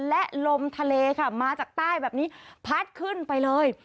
และลมทะเลค่ะมาจากใต้แบบนี้พัดขึ้นไปเลย